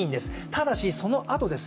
ただし、そのあとです。